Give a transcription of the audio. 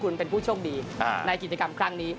คุณเป็นผู้โชคดีในกิจกรรมครั้งนี้